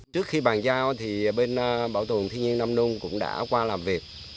trước khi bàn giao thì bên bảo tồn thiên nhiên nam nung cũng đã qua làm việc